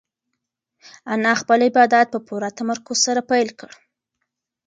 انا خپل عبادت په پوره تمرکز سره پیل کړ.